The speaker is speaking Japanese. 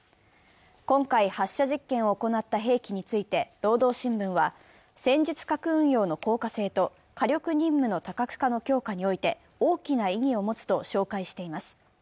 今回、発射実験を行った兵器について「労働新聞」は戦術核運用の効果性と火力任務の大きな意義を持つと紹介しています。